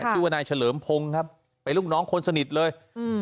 ชื่อว่านายเฉลิมพงศ์ครับเป็นลูกน้องคนสนิทเลยอืม